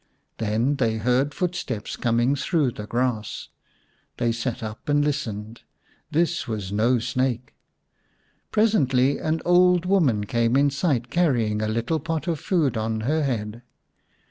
Then they heard footsteps 153 The Reward of Industry xm coming through the grass. They sat up and listened ; this was no snake. Presently an old woman came in sight carrying a little pot of food on her head.